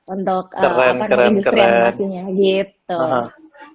untuk industri yang pastinya gitu